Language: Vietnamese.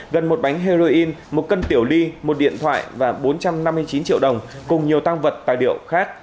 gần một bánh heroin một cân tiểu ly một điện thoại và bốn trăm năm mươi chín triệu đồng cùng nhiều tăng vật tài liệu khác